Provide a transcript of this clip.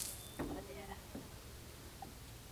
拉莫特蒙特拉韦。